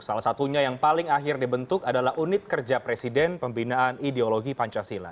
salah satunya yang paling akhir dibentuk adalah unit kerja presiden pembinaan ideologi pancasila